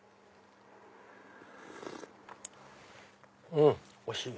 うんおいしい。